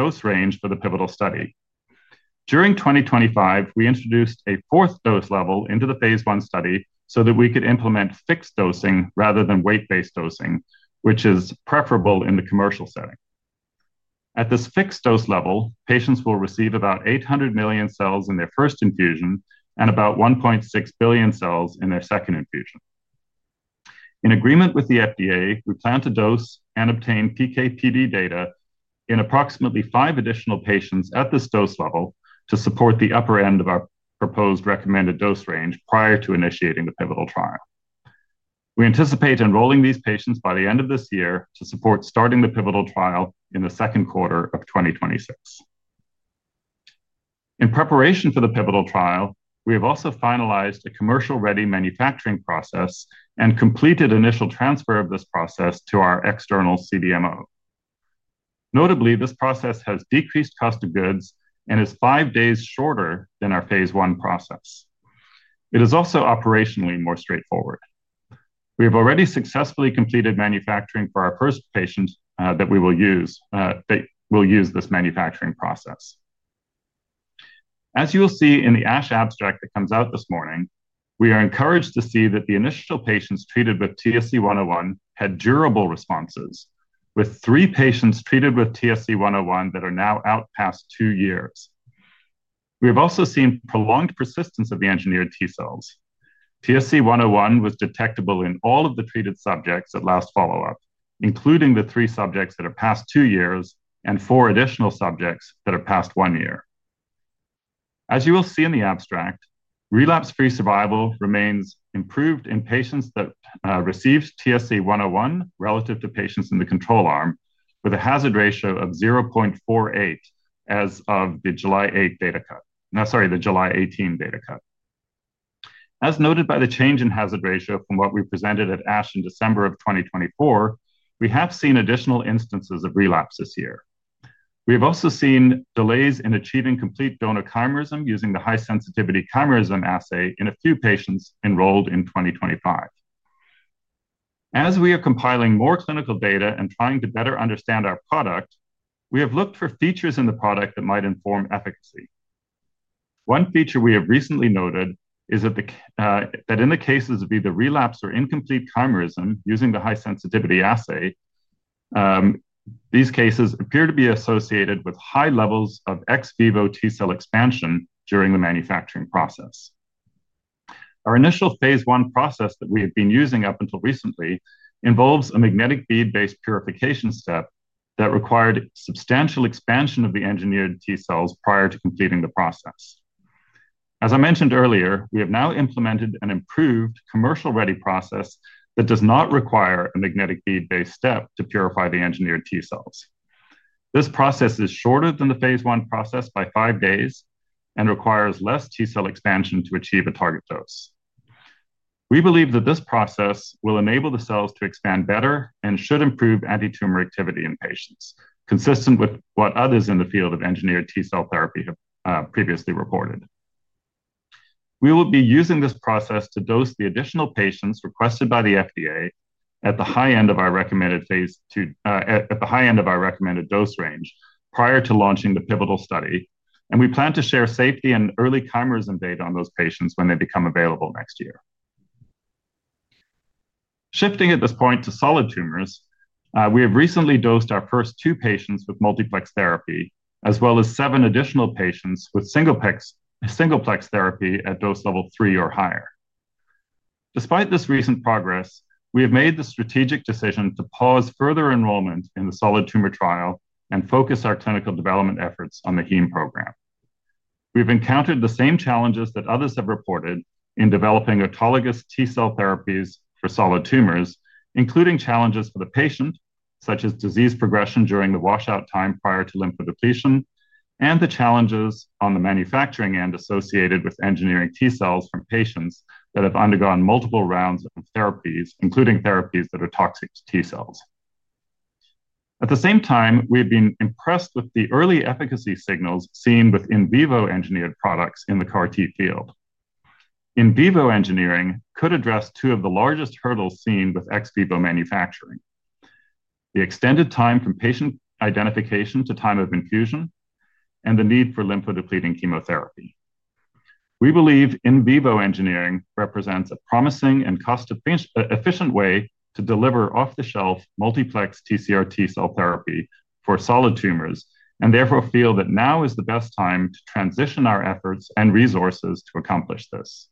Dose range for the pivotal study. During 2025, we introduced a fourth dose level into the phase one study so that we could implement fixed dosing rather than weight-based dosing, which is preferable in the commercial setting. At this fixed dose level, patients will receive about 800 million cells in their first infusion and about 1.6 billion cells in their second infusion. In agreement with the FDA, we plan to dose and obtain PK/PD data in approximately five additional patients at this dose level to support the upper end of our proposed recommended dose range prior to initiating the pivotal trial. We anticipate enrolling these patients by the end of this year to support starting the pivotal trial in the second quarter of 2026. In preparation for the pivotal trial, we have also finalized a commercial-ready manufacturing process and completed initial transfer of this process to our external CDMO. Notably, this process has decreased cost of goods and is five days shorter than our phase one process. It is also operationally more straightforward. We have already successfully completed manufacturing for our first patient that we will use. This manufacturing process. As you will see in the ASH abstract that comes out this morning, we are encouraged to see that the initial patients treated with TSC-101 had durable responses, with three patients treated with TSC-101 that are now out past two years. We have also seen prolonged persistence of the engineered T cells. TSC-101 was detectable in all of the treated subjects at last follow-up, including the three subjects that are past two years and four additional subjects that are past one year. As you will see in the abstract, relapse-free survival remains improved in patients that received TSC-101 relative to patients in the control arm, with a hazard ratio of 0.48 as of the July 8 data cut—sorry, the July 18 data cut. As noted by the change in hazard ratio from what we presented at ASH in December of 2024, we have seen additional instances of relapse this year. We have also seen delays in achieving complete donor chimerism using the high-sensitivity chimerism assay in a few patients enrolled in 2025. As we are compiling more clinical data and trying to better understand our product, we have looked for features in the product that might inform efficacy. One feature we have recently noted is that. In the cases of either relapse or incomplete chimerism using the high-sensitivity assay. These cases appear to be associated with high levels of ex vivo T cell expansion during the manufacturing process. Our initial phase one process that we have been using up until recently involves a magnetic bead-based purification step that required substantial expansion of the engineered T cells prior to completing the process. As I mentioned earlier, we have now implemented an improved commercial-ready process that does not require a magnetic bead-based step to purify the engineered T cells. This process is shorter than the phase I process by five days and requires less T cell expansion to achieve a target dose. We believe that this process will enable the cells to expand better and should improve anti-tumor activity in patients, consistent with what others in the field of engineered T cell therapy have previously reported. We will be using this process to dose the additional patients requested by the FDA at the high end of our recommended dose range prior to launching the pivotal study, and we plan to share safety and early chimerism data on those patients when they become available next year. Shifting at this point to solid tumors, we have recently dosed our first two patients with multiplex therapy, as well as seven additional patients with single-plex therapy at dose level three or higher. Despite this recent progress, we have made the strategic decision to pause further enrollment in the solid tumor trial and focus our clinical development efforts on the HEME program. We have encountered the same challenges that others have reported in developing autologous T cell therapies for solid tumors, including challenges for the patient, such as disease progression during the washout time prior to lymphodepletion, and the challenges on the manufacturing end associated with engineering T cells from patients that have undergone multiple rounds of therapies, including therapies that are toxic to T cells. At the same time, we have been impressed with the early efficacy signals seen with in vivo engineered products in the CAR-T field. In vivo engineering could address two of the largest hurdles seen with ex vivo manufacturing: the extended time from patient identification to time of infusion and the need for lymphodepleting chemotherapy. We believe in vivo engineering represents a promising and cost-efficient way to deliver off-the-shelf multiplex TCR-T cell therapy for solid tumors and therefore feel that now is the best time to transition our efforts and resources to accomplish this.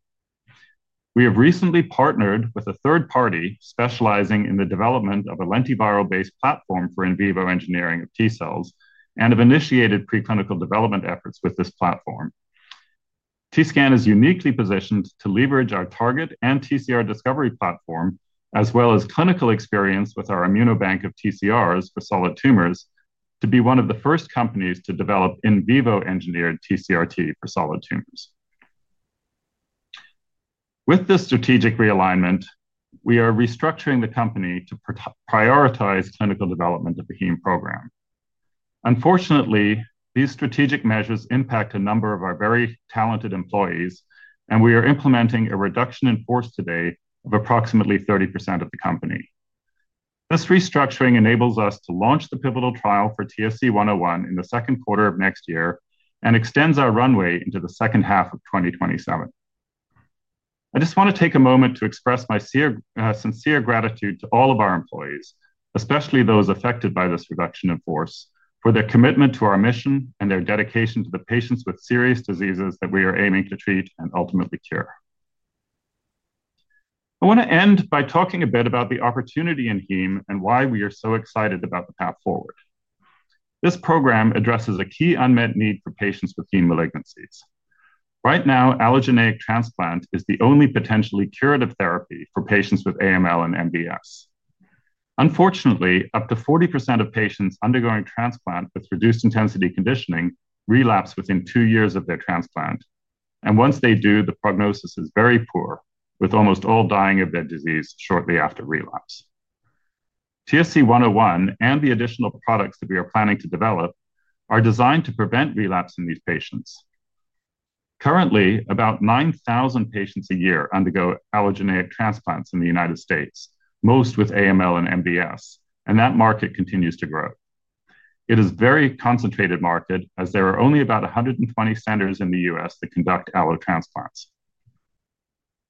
We have recently partnered with a third party specializing in the development of a lentiviral-based platform for in vivo engineering of T cells and have initiated preclinical development efforts with this platform. TScan is uniquely positioned to leverage our target and TCR discovery platform, as well as clinical experience with our ImmunoBank of TCRs for solid tumors, to be one of the first companies to develop in vivo engineered TCR-T for solid tumors. With this strategic realignment, we are restructuring the company to prioritize clinical development of the HEME program. Unfortunately, these strategic measures impact a number of our very talented employees, and we are implementing a reduction in force today of approximately 30% of the company. This restructuring enables us to launch the pivotal trial for TSC-101 in the second quarter of next year and extends our runway into the second half of 2027. I just want to take a moment to express my sincere gratitude to all of our employees, especially those affected by this reduction in force, for their commitment to our mission and their dedication to the patients with serious diseases that we are aiming to treat and ultimately cure. I want to end by talking a bit about the opportunity in HEME and why we are so excited about the path forward. This program addresses a key unmet need for patients with HEME malignancies. Right now, allogeneic transplant is the only potentially curative therapy for patients with AML and MDS. Unfortunately, up to 40% of patients undergoing transplant with reduced intensity conditioning relapse within two years of their transplant, and once they do, the prognosis is very poor, with almost all dying of their disease shortly after relapse. TSC-101 and the additional products that we are planning to develop are designed to prevent relapse in these patients. Currently, about 9,000 patients a year undergo allogeneic transplants in the United States, most with AML and MDS, and that market continues to grow. It is a very concentrated market, as there are only about 120 centers in the U.S. that conduct allotransplants.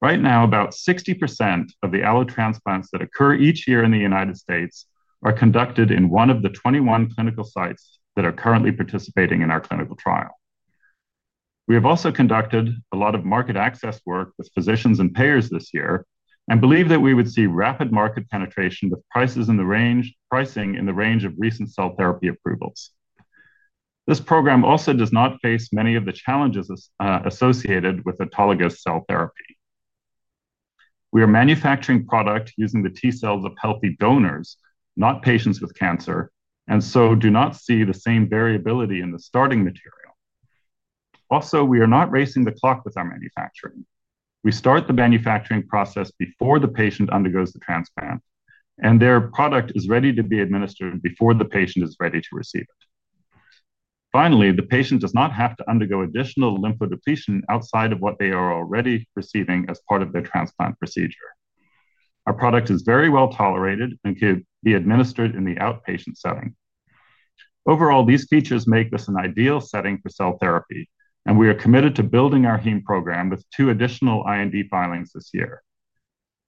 Right now, about 60% of the allotransplants that occur each year in the United States are conducted in one of the 21 clinical sites that are currently participating in our clinical trial. We have also conducted a lot of market access work with physicians and payers this year and believe that we would see rapid market penetration with pricing in the range of recent cell therapy approvals. This program also does not face many of the challenges associated with autologous cell therapy. We are manufacturing product using the T cells of healthy donors, not patients with cancer, and so do not see the same variability in the starting material. Also, we are not racing the clock with our manufacturing. We start the manufacturing process before the patient undergoes the transplant, and their product is ready to be administered before the patient is ready to receive it. Finally, the patient does not have to undergo additional lymphodepletion outside of what they are already receiving as part of their transplant procedure. Our product is very well tolerated and could be administered in the outpatient setting. Overall, these features make this an ideal setting for cell therapy, and we are committed to building our HEME program with two additional IND filings this year.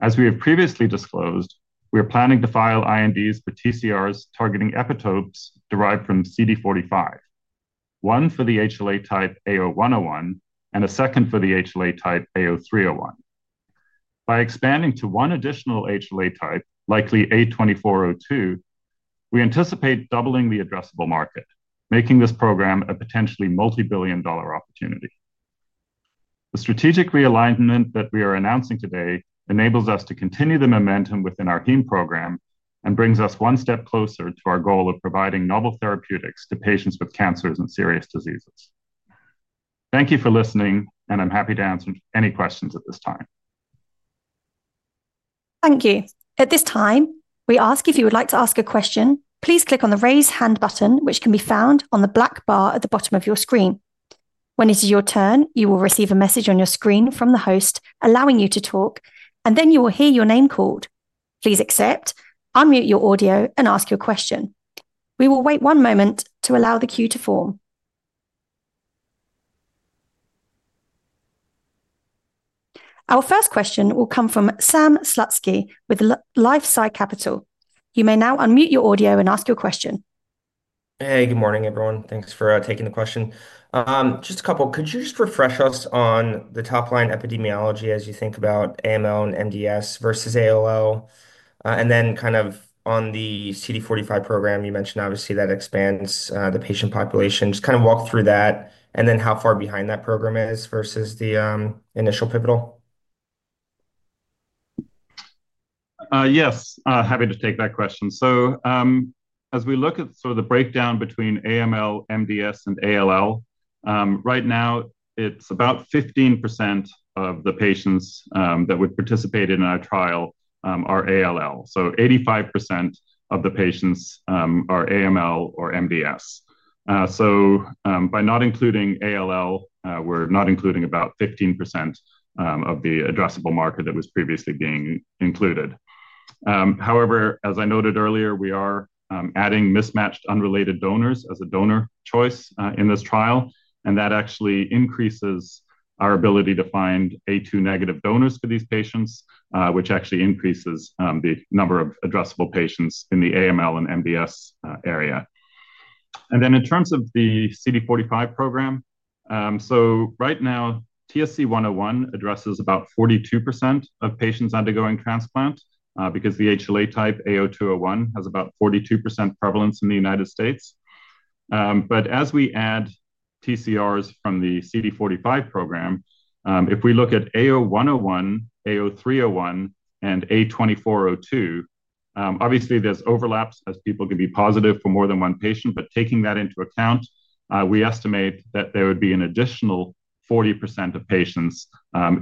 As we have previously disclosed, we are planning to file INDs for TCRs targeting epitopes derived from CD45. One for the HLA type A*01:01 and a second for the HLA type A*03:01. By expanding to one additional HLA type, likely A*24:02, we anticipate doubling the addressable market, making this program a potentially multibillion-dollar opportunity. The strategic realignment that we are announcing today enables us to continue the momentum within our HEME program and brings us one step closer to our goal of providing novel therapeutics to patients with cancers and serious diseases. Thank you for listening, and I'm happy to answer any questions at this time. Thank you. At this time, we ask if you would like to ask a question, please click on the raise hand button, which can be found on the black bar at the bottom of your screen. When it is your turn, you will receive a message on your screen from the host allowing you to talk, and then you will hear your name called. Please accept, unmute your audio, and ask your question. We will wait one moment to allow the queue to form. Our first question will come from Sam Slutsky with LifeSci Capital. You may now unmute your audio and ask your question. Hey, good morning, everyone. Thanks for taking the question. Just a couple. Could you just refresh us on the top line epidemiology as you think about AML and MDS versus ALL? And then kind of on the CD45 program, you mentioned obviously that expands the patient population. Just kind of walk through that and then how far behind that program is versus the initial pivotal. Yes, happy to take that question. As we look at sort of the breakdown between AML, MDS, and ALL, right now, it's about 15% of the patients that would participate in our trial are ALL. Eighty-five percent of the patients are AML or MDS. By not including ALL, we're not including about 15% of the addressable market that was previously being included. However, as I noted earlier, we are adding mismatched unrelated donors as a donor choice in this trial, and that actually increases our ability to find A2- donors for these patients, which actually increases the number of addressable patients in the AML and MDS area. In terms of the CD45 program, right now, TSC-101 addresses about 42% of patients undergoing transplant because the HLA type A*02:01 has about 42% prevalence in the United States. As we add TCRs from the CD45 program, if we look at A*01:01, A*03:01, and A*24:02, obviously there's overlap as people can be positive for more than one, but taking that into account, we estimate that there would be an additional 40% of patients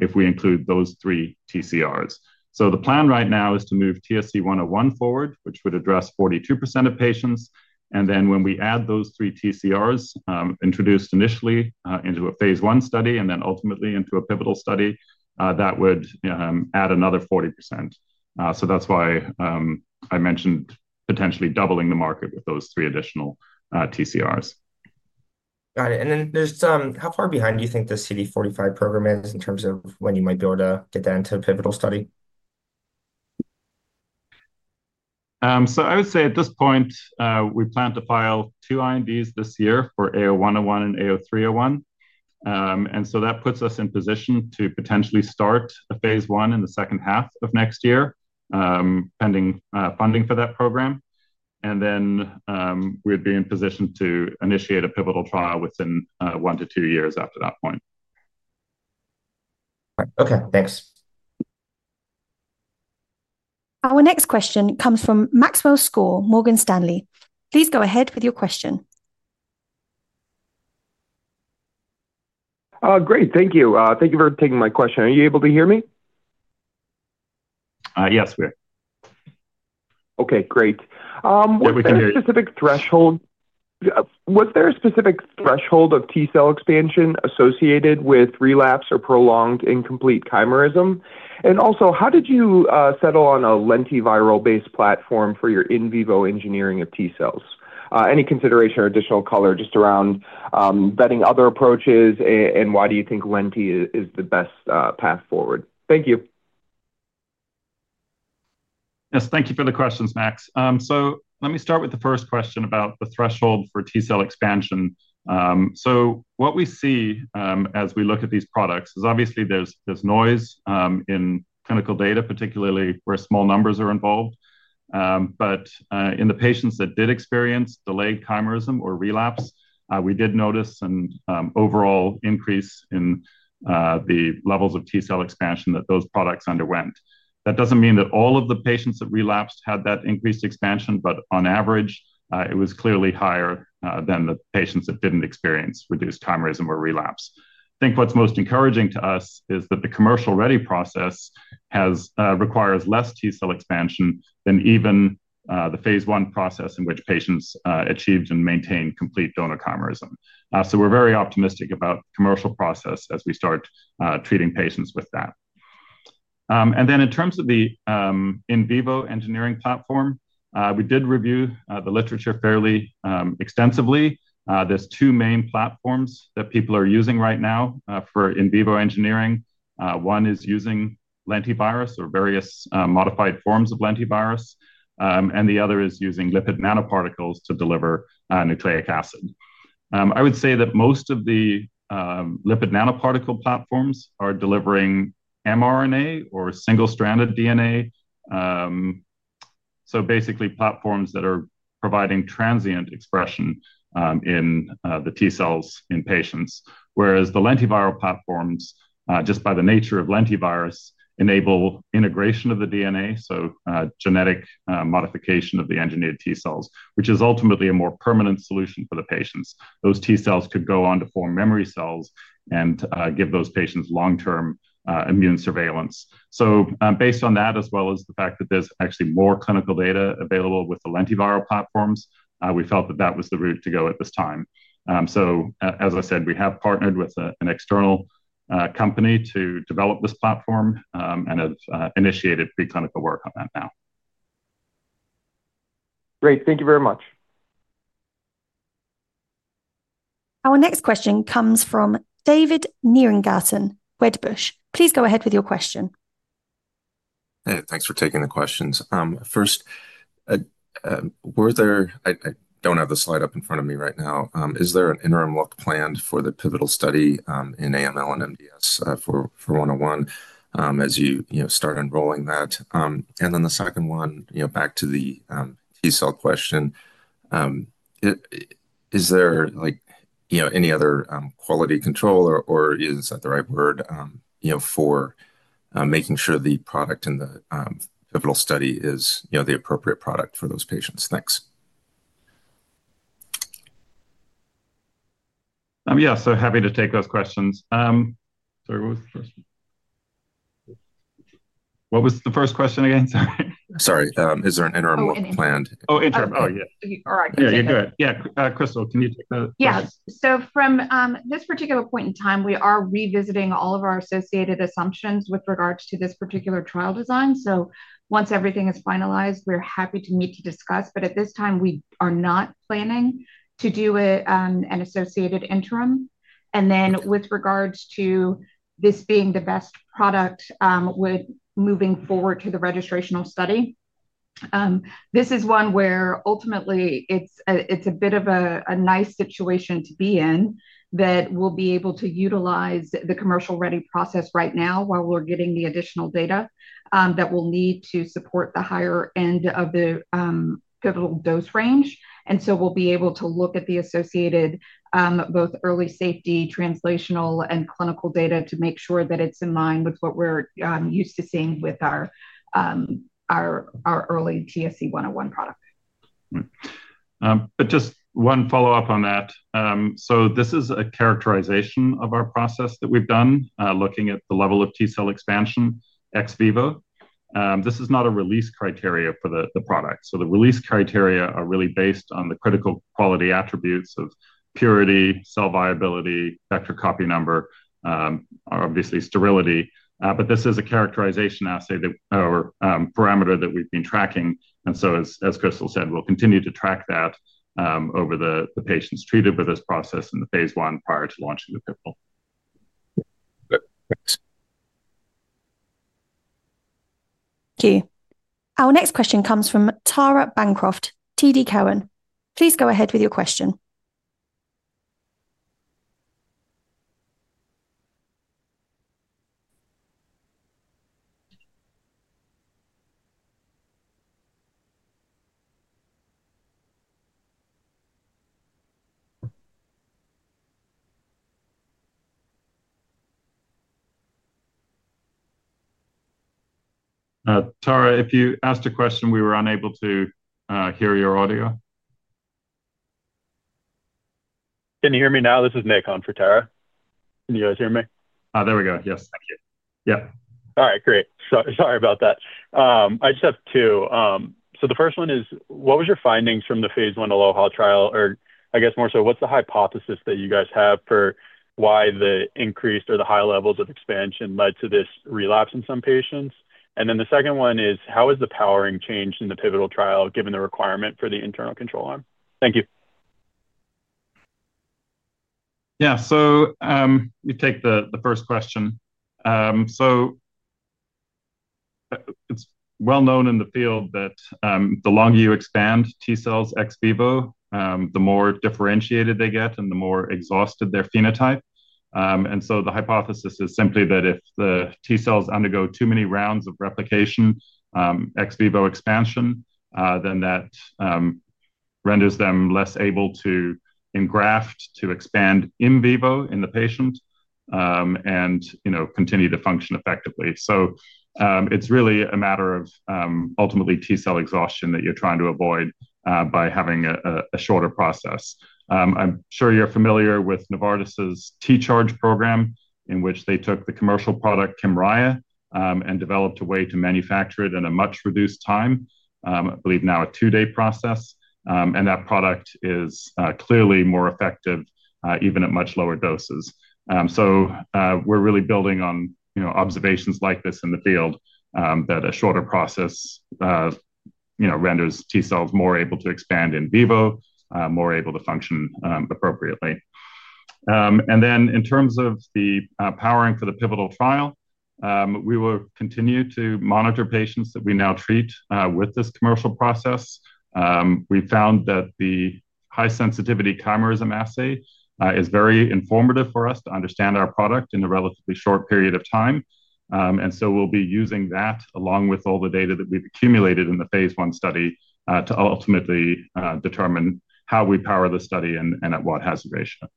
if we include those three TCRs. The plan right now is to move TSC-101 forward, which would address 42% of patients. When we add those three TCRs introduced initially into a phase one study and then ultimately into a pivotal study, that would add another 40%. That's why I mentioned potentially doubling the market with those three additional TCRs. Got it. How far behind do you think the CD45 program is in terms of when you might be able to get that into a pivotal study? I would say at this point, we plan to file two INDs this year for A*01:01 and A*03:01. That puts us in position to potentially start a phase I in the second half of next year, pending funding for that program. We would be in position to initiate a pivotal trial within one to two years after that point. Okay, thanks. Our next question comes from Maxwell Skor, Morgan Stanley. Please go ahead with your question. Great, thank you. Thank you for taking my question. Are you able to hear me? Yes, we are. Okay, great. Was there a specific threshold of T cell expansion associated with relapse or prolonged incomplete chimerism? Also, how did you settle on a lentiviral-based platform for your in vivo engineering of T cells? Any consideration or additional color just around vetting other approaches? Why do you think lenti is the best path forward? Thank you. Yes, thank you for the questions, Max. Let me start with the first question about the threshold for T cell expansion. What we see as we look at these products is obviously there's noise in clinical data, particularly where small numbers are involved. In the patients that did experience delayed chimerism or relapse, we did notice an overall increase in the levels of T cell expansion that those products underwent. That doesn't mean that all of the patients that relapsed had that increased expansion, but on average, it was clearly higher than the patients that didn't experience reduced chimerism or relapse. I think what's most encouraging to us is that the commercial-ready process requires less T cell expansion than even the phase one process in which patients achieved and maintained complete donor chimerism. We're very optimistic about the commercial process as we start treating patients with that. In terms of the in vivo engineering platform, we did review the literature fairly extensively. There are two main platforms that people are using right now for in vivo engineering. One is using lentivirus or various modified forms of lentivirus, and the other is using lipid nanoparticles to deliver nucleic acid. I would say that most of the lipid nanoparticle platforms are delivering mRNA or single-stranded DNA, so basically platforms that are providing transient expression in the T cells in patients. Whereas the lentiviral platforms, just by the nature of lentivirus, enable integration of the DNA, so genetic modification of the engineered T cells, which is ultimately a more permanent solution for the patients. Those T cells could go on to form memory cells and give those patients long-term immune surveillance. Based on that, as well as the fact that there's actually more clinical data available with the lentiviral platforms, we felt that that was the route to go at this time. As I said, we have partnered with an external company to develop this platform and have initiated preclinical work on that now. Great, thank you very much. Our next question comes from David Nierengarten, Wedbush. Please go ahead with your question. Hey, thanks for taking the questions. First, I don't have the slide up in front of me right now. Is there an interim look planned for the pivotal study in AML and MDS for 101 as you start enrolling that? The second one, back to the T cell question. Is there any other quality control, or is that the right word, for making sure the product in the pivotal study is the appropriate product for those patients? Thanks. Yeah, so happy to take those questions. What was the first question again? Sorry. Sorry, is there an interim look planned? Oh, interim. Oh, yeah. All right. Yeah, you're good. Yeah, Crystal, can you take that? Yes. From this particular point in time, we are revisiting all of our associated assumptions with regards to this particular trial design. Once everything is finalized, we're happy to meet to discuss. At this time, we are not planning to do an associated interim. With regards to this being the best product moving forward to the registrational study, this is one where ultimately it's a bit of a nice situation to be in that we'll be able to utilize the commercial-ready process right now while we're getting the additional data that will need to support the higher end of the pivotal dose range. We'll be able to look at the associated early safety, translational, and clinical data to make sure that it's in line with what we're used to seeing with our early TSC-101 product. Just one follow-up on that. This is a characterization of our process that we've done looking at the level of T cell expansion ex vivo. This is not a release criteria for the product. The release criteria are really based on the critical quality attributes of purity, cell viability, vector copy number, and obviously sterility. This is a characterization assay or parameter that we've been tracking. As Crystal said, we'll continue to track that over the patients treated with this process in the phase one prior to launching the pivotal. Thank you. Our next question comes from Tara Bancroft, TD Cowen. Please go ahead with your question. Tara, if you asked a question, we were unable to hear your audio. Can you hear me now? This is Nick on for Tara. Can you guys hear me? There we go, yes. Thank you. Yeah. All right, great. Sorry about that. I just have two. The first one is, what was your findings from the phase one ALLOHA trial? Or I guess more so, what's the hypothesis that you guys have for why the increased or the high levels of expansion led to this relapse in some patients? The second one is, how has the powering changed in the pivotal trial given the requirement for the internal control arm? Thank you. Yeah, you take the first question. It's well known in the field that the longer you expand T cells ex vivo, the more differentiated they get and the more exhausted their phenotype. The hypothesis is simply that if the T cells undergo too many rounds of replication, ex vivo expansion, then that renders them less able to engraft, to expand in vivo in the patient, and continue to function effectively. It's really a matter of ultimately T cell exhaustion that you're trying to avoid by having a shorter process. I'm sure you're familiar with Novartis's T-Charge program in which they took the commercial product KYMRIAH and developed a way to manufacture it in a much reduced time, I believe now a two-day process. That product is clearly more effective even at much lower doses. We're really building on observations like this in the field that a shorter process renders T cells more able to expand in vivo, more able to function appropriately. In terms of the powering for the pivotal trial, we will continue to monitor patients that we now treat with this commercial process. We found that the high-sensitivity chimerism assay is very informative for us to understand our product in a relatively short period of time. We will be using that along with all the data that we've accumulated in the phase one study to ultimately determine how we power the study and at what hazard ratio.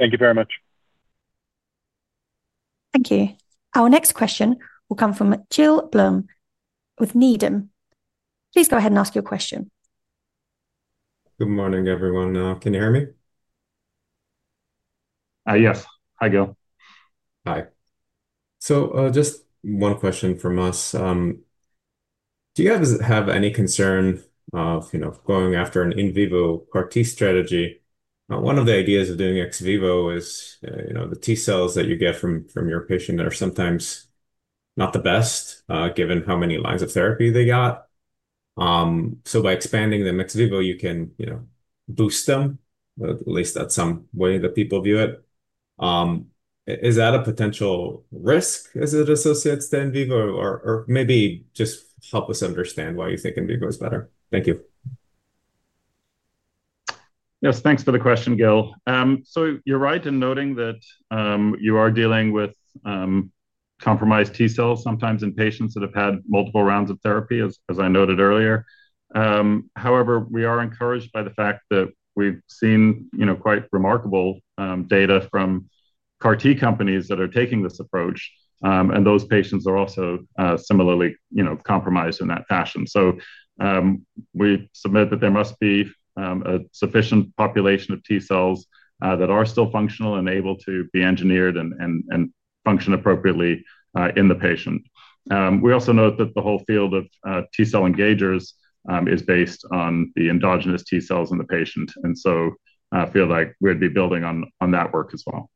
Thank you very much. Thank you. Our next question will come from Gil Blum with Needham. Please go ahead and ask your question. Good morning, everyone. Can you hear me? Yes, hi Gil. Hi. Just one question from us. Do you guys have any concern of going after an in vivo CAR-T strategy? One of the ideas of doing ex vivo is the T cells that you get from your patient that are sometimes not the best given how many lines of therapy they got. By expanding them ex vivo, you can boost them, at least that is some way that people view it. Is that a potential risk as it associates to in vivo? Maybe just help us understand why you think in vivo is better. Thank you. Yes, thanks for the question, Gil. You're right in noting that you are dealing with compromised T cells sometimes in patients that have had multiple rounds of therapy, as I noted earlier. However, we are encouraged by the fact that we've seen quite remarkable data from CAR-T companies that are taking this approach. Those patients are also similarly compromised in that fashion. We submit that there must be a sufficient population of T cells that are still functional and able to be engineered and function appropriately in the patient. We also note that the whole field of T cell engagers is based on the endogenous T cells in the patient. I feel like we'd be building on that work as well.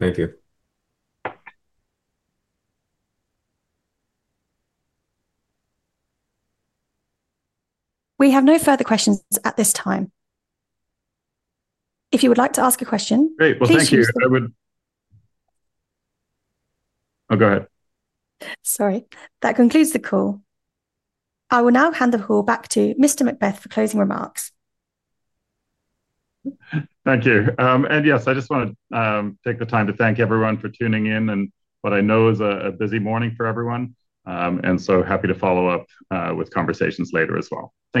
Thank you. We have no further questions at this time. If you would like to ask a question, please do so now. Great, thank you. Oh, go ahead. Sorry. That concludes the call. I will now hand the call back to Mr. MacBeath for closing remarks. Thank you. Yes, I just want to take the time to thank everyone for tuning in. What I know is a busy morning for everyone. I am happy to follow up with conversations later as well. Thank you.